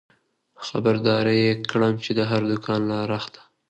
خبر دار يې کړم د هر دوکان له رخته